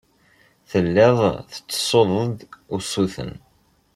Telliḍ tettessuḍ-d usuten.